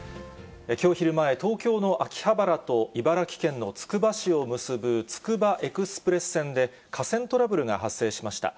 きょう昼前、東京の秋葉原と茨城県のつくば市を結ぶつくばエクスプレス線で、架線トラブルが発生しました。